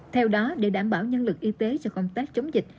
theo đó để đảm bảo nhân lực y tế cho công tác chống dịch